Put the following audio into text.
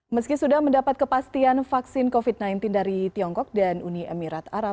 meski sudah mendapat kepastian vaksin covid sembilan belas dari tiongkok dan uni emirat arab